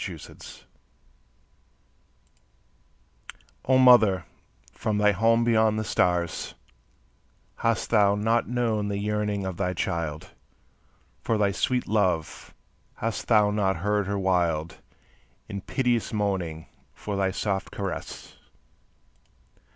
_ TO MOTHER O mother, from thy home beyond the stars Hast thou not known the yearning of thy child For thy sweet love? Hast thou not heard her wild And piteous moaning for thy soft caress?